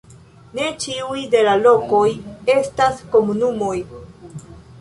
Ne ĉiuj de la lokoj estas komunumoj.